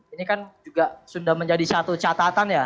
ini kan juga sudah menjadi satu catatan ya